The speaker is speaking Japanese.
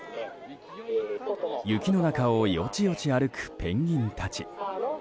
雪の中をよちよち歩くペンギンたち。